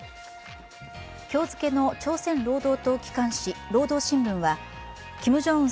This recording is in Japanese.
今日付の朝鮮労働党機関紙「労働新聞」はキム・ジョンウン